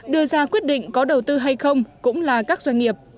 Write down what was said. đưa ra quyết định có đầu tư hay không cũng là các doanh nghiệp